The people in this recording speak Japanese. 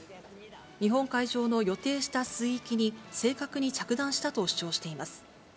日本海上の予定した水域に正確に着弾したと主張しています。